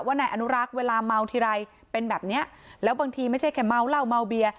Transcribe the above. นายอนุรักษ์เวลาเมาทีไรเป็นแบบนี้แล้วบางทีไม่ใช่แค่เมาเหล้าเมาเบียร์